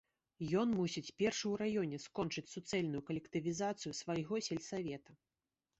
Ён мусіць першы ў раёне скончыць суцэльную калектывізацыю свайго сельсавета.